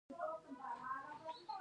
بیرایت په کوم کار کې لګیږي؟